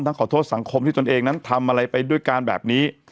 ขอโทษสังคมที่ตนเองนั้นทำอะไรไปด้วยการแบบนี้